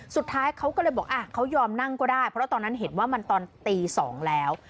สุดท้ายเขาก็เลยบอกเขายอมนั่งก็ได้เพราะตอนนั้นเห็นว่ามันตอนตี๒แล้ว